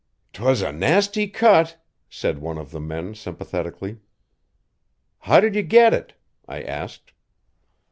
"'Twas a nasty cut," said one of the men sympathetically. "How did you get it?" I asked.